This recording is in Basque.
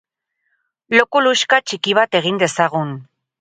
Lo kuluxka txiki bat egin dezagun.